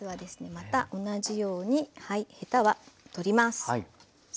また同じようにヘタは取ります。